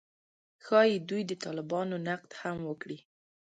ښايي دوی د طالبانو نقد هم وکړي